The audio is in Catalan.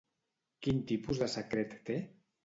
Quin tipus de secret té?